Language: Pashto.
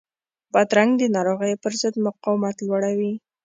بادرنګ د ناروغیو پر ضد مقاومت لوړوي.